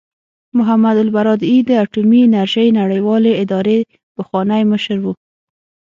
محمد البرادعي د اټومي انرژۍ نړیوالې ادارې پخوانی مشر و.